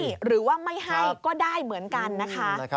หรือว่าไม่ให้ก็ได้เหมือนกันนะคะ